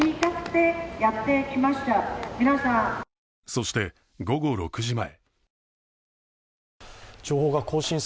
そして、午後６時前。